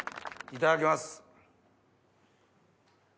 いただきます。